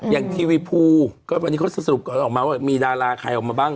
ทีวีภูก็วันนี้เขาสรุปออกมาว่ามีดาราใครออกมาบ้าง